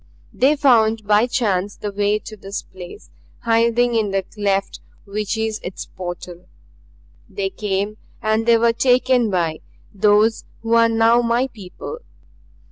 "They found by chance the way to this place, hiding in the cleft which is its portal. They came, and they were taken by Those who are now my people.